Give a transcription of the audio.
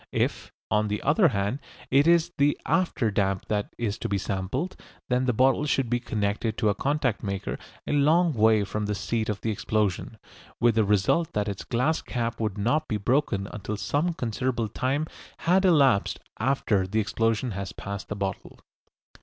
If, on the other hand, it is the after damp that is to be sampled, then the bottle would be connected to a contact maker a long way from the seat of the explosion, with the result that its glass cap would not be broken until some considerable time had elapsed after the explosion has passed the bottle.